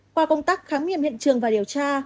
qua công tác khám nghiệm hiện trường và điều tra